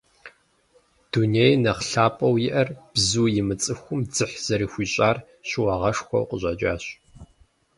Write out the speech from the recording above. Дунейм нэхъ лъапӀэу иӀэр бзу имыцӀыхум дзыхь зэрыхуищӀар щыуагъэшхуэу къыщӀэкӀащ.